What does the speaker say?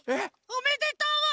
おめでとう！